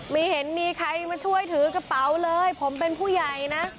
ไม่เห็นมีใครมาช่วยถือกระเป๋าเลยผมเป็นผู้ใหญ่นะ